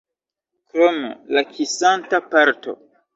Krom la kisanta parto.